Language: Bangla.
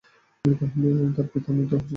তার পিতা মৃত হোসেন আলী সরদার।